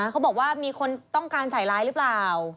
เขาบอกว่ามีคนต้องการใส่ร้ายหรือเปล่า